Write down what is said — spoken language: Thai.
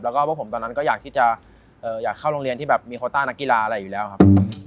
แล้วก็พวกผมตอนนั้นก็อยากที่จะอยากเข้าโรงเรียนที่แบบมีโคต้านักกีฬาอะไรอยู่แล้วครับ